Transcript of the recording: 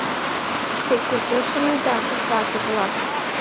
Те кузе шонеда, вате-влак?